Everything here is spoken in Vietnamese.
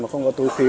mà không có túi khí